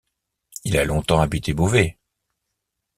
Il a longtemps habité Beauvais.